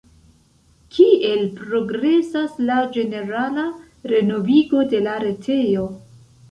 Kiel progresas la ĝenerala renovigo de la retejo?